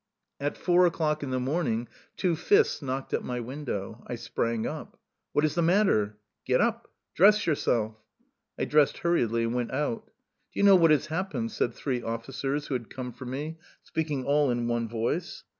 At four o'clock in the morning two fists knocked at my window. I sprang up. "What is the matter?" "Get up dress yourself!" I dressed hurriedly and went out. "Do you know what has happened?" said three officers who had come for me, speaking all in one voice.